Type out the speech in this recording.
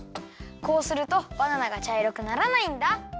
こうするとバナナがちゃいろくならないんだ。